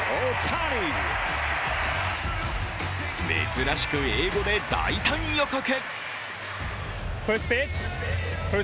珍しく英語で大胆予告。